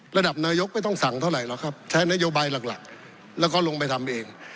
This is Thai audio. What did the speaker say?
ระดับนายกไม่ต้องสั่งเท่าไหร่ครับใช้นโยบายหลักแล้วก็ลงไปทำเอง